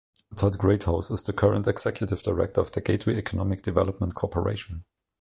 Todd Greathouse is the current executive director of the Gateway Economic Development Corporation.